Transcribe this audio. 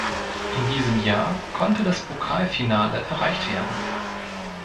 In diesem Jahr konnte das Pokalfinale erreicht werden.